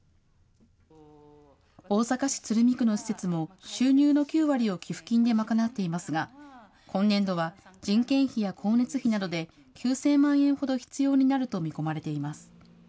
大阪市鶴見区の施設も、収入の９割を寄付金で賄っていますが、今年度は人件費や光熱費などで、９０００万円ほど必要になると見込まれています。